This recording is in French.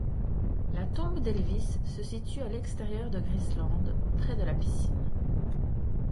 La tombe d'Elvis se situe à l'extérieur de Graceland, près de la piscine.